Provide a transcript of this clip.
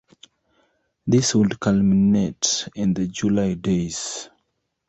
This would culminate in the July days.